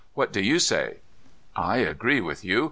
What do you say?" "I agree with you.